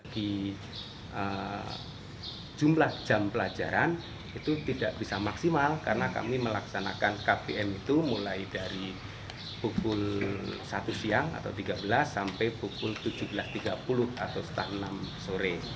di jumlah jam pelajaran itu tidak bisa maksimal karena kami melaksanakan kpm itu mulai dari pukul satu siang atau tiga belas sampai pukul tujuh belas tiga puluh atau setengah enam sore